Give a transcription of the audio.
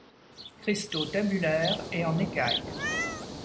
Cristaux tabulaires et en écailles.